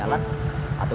maaf lupa gue